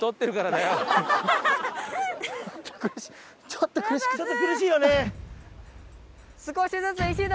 ちょっと苦しいよね？